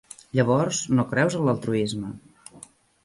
Llavors, no creus en l"altruisme.